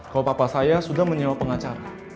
kalau papa saya sudah menyewa pengacara